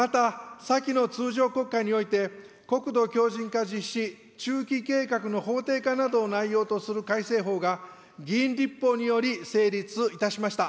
また先の通常国会において、国土強じん化実施中期計画の法定化などを内容とする改正法が、議員立法により成立いたしました。